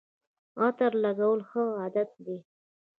عطر لګول ښه عادت دی